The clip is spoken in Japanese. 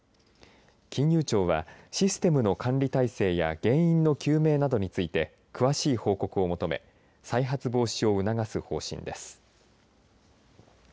金融庁はシステムの管理態勢や原因の究明などについて詳しい報告を求め再発防止を促す方針です。